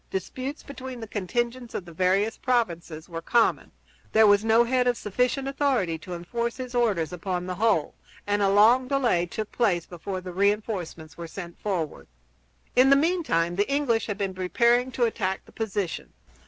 Disputes between the contingents of the various provinces were common; there was no head of sufficient authority to enforce his orders upon the whole; and a long delay took place before the re enforcements were sent forward. In the meantime the English had been preparing to attack the position.